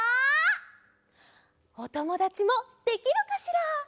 おともだちもできるかしら？